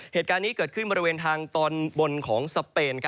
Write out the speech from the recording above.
เหตุการณ์นี้เกิดขึ้นบริเวณทางตอนบนของสเปน